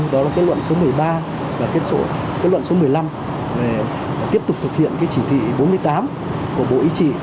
đó là kết luận số một mươi ba và kết luận số một mươi năm về tiếp tục thực hiện chỉ thị bốn mươi tám của bộ y trị